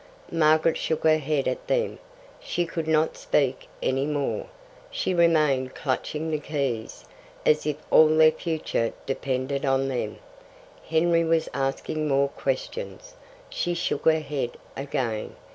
Margaret shook her head at them; she could not speak any more. She remained clutching the keys, as if all their future depended on them. Henry was asking more questions. She shook her head again.